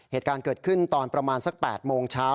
เหตุการณ์เกิดขึ้นตอนประมาณสัก๘โมงเช้า